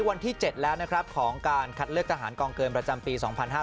กลูกคุณผู้ชมครับวันนี้วันที่๗แล้วของการคัดเลือกทหารกองเกินประจำปี๒๕๕๙